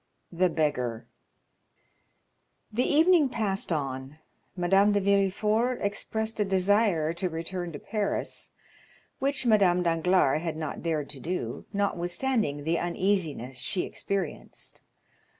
The Beggar The evening passed on; Madame de Villefort expressed a desire to return to Paris, which Madame Danglars had not dared to do, notwithstanding the uneasiness she experienced.